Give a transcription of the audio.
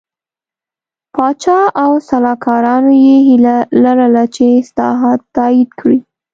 پاچا او سلاکارانو یې هیله لرله چې اصلاحات تایید کړي.